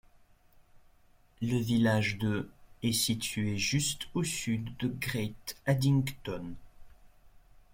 Le village de est situé juste au sud de Great Addington.